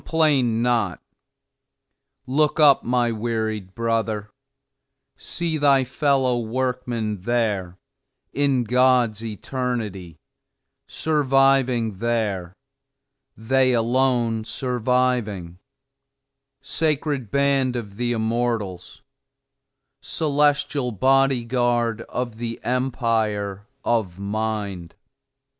Complain not. Look up, my wearied brother; see thy fellow workmen there, in God's Eternity; surviving there, they alone surviving; sacred Band of the Immortals, celestial Body guard of the Empire of Mind.